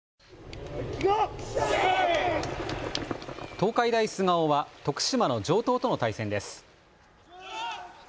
東海大菅生は徳島の城東との対戦です。